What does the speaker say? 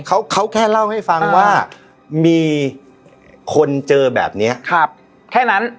เขาเขาแค่เล่าให้ฟังว่ามีคนเจอแบบเนี้ยครับแค่นั้น